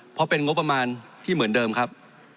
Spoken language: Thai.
เพราะเป็นงบประมาณที่เหมือนเดิมครับ